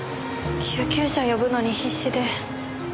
救急車を呼ぶのに必死で。